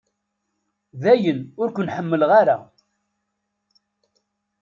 Dayen ur ken-ḥemmleɣ ara.